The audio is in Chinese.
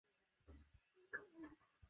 大颖草为禾本科鹅观草属下的一个种。